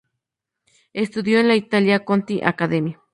Estudió en el "Italia Conti Academy".